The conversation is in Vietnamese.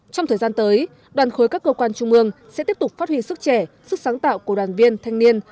trong thời gian tới đoàn khối các cơ quan trung ương sẽ tiếp tục phát huy sức trẻ sức sáng tạo của đoàn viên thanh niên